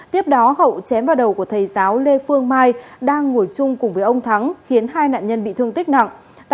tiếp đó hậu chém vào đầu của thầy giáo lê phương mai đang ngồi chung cùng với ông thắng khiến hai nạn nhân bị thương tích nặng